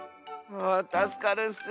ああたすかるッス！